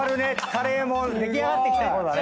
カレーも出来上がってきたころだね」